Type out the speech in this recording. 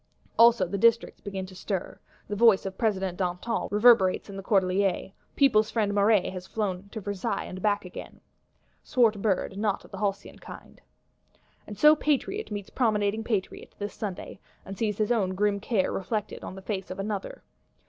Also the Districts begin to stir; the voice of President Danton reverberates in the Cordeliers: People's Friend Marat has flown to Versailles and back again;—swart bird, not of the halcyon kind! And so Patriot meets promenading Patriot, this Sunday; and sees his own grim care reflected on the face of another.